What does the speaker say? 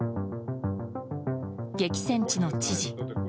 激戦地の知事。